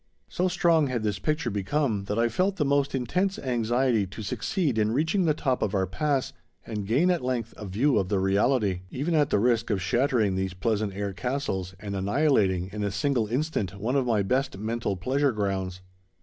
So strong had this picture become that I felt the most intense anxiety to succeed in reaching the top of our pass, and gain at length a view of the reality, even at the risk of shattering these pleasant air castles, and annihilating, in a single instant, one of my best mental pleasure grounds.